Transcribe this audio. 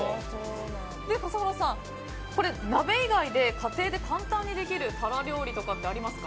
笠原さん、鍋以外で家庭で簡単にできるタラ料理ってありますか？